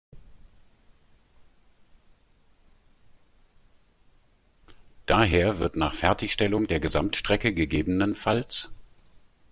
Daher wird nach Fertigstellung der Gesamtstrecke ggf.